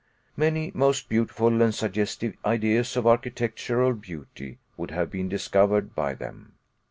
Many most beautiful and suggestive ideas of architectural beauty would have been discovered by them.